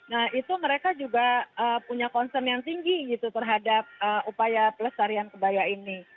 nah itu mereka juga punya concern yang tinggi gitu terhadap upaya pelestarian kebaya ini